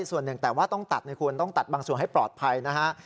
ส่วนหนึ่งแต่ว่าต้องตัดให้คุณต้องตัดบางส่วนให้ปลอดภัยนะฮะ